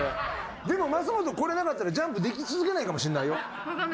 でも増本これなかったらジャンプでき続けないかもしれないよ。